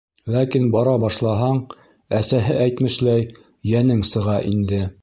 Ләкин бара башлаһаң, әсәһе әйтмешләй, йәнең сыға инде.